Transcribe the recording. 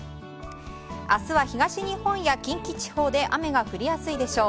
明日は、東日本や近畿地方で雨が降りやすいでしょう。